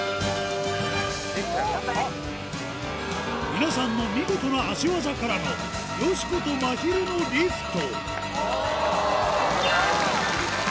皆さんの見事な足技からの、よしことまひるのリフト。